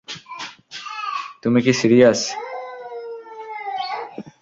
তুমি কি সিরিয়াস?